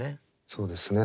そうですね。